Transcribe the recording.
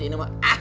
ini mah ah